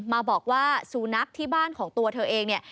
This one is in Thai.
มาบอกว่าสูนักที่บ้านของตัวเธอเองเนี่ย